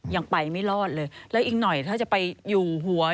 ยังไปไม่รอดเลยแล้วอีกหน่อยถ้าจะไปอยู่หัว